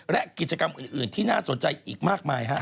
และกิจกรรมอื่นที่น่าสนใจอีกมากมายฮะ